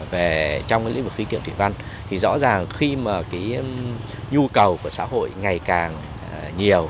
và trong lĩnh vực khí tượng thủy văn thì rõ ràng khi mà cái nhu cầu của xã hội ngày càng nhiều